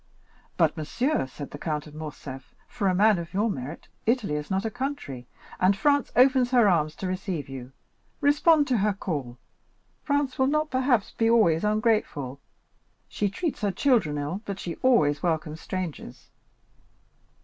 "But, monsieur," said the Count of Morcerf, "for a man of your merit, Italy is not a country, and France opens her arms to receive you; respond to her call. France will not, perhaps, be always ungrateful. She treats her children ill, but she always welcomes strangers."